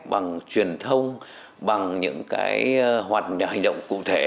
bằng truyền thông bằng những hoạt động cụ thể